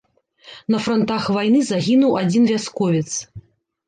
На франтах вайны загінуў адзін вясковец.